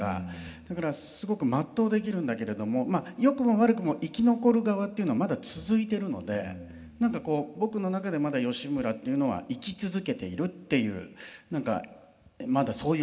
だからすごく全うできるんだけれどもよくも悪くも生き残る側っていうのはまだ続いてるので何かこう僕の中でまだ義村っていうのは生き続けているっていう何かまだそういう思いなんですよね。